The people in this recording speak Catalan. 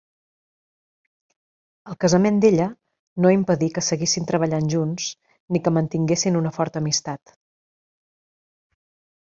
El casament d'ella no impedí que seguissin treballant junts ni que mantinguessin una forta amistat.